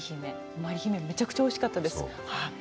めちゃくちゃおいしかったです。